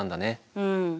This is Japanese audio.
うん。